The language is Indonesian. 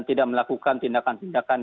tidak melakukan tindakan tindakan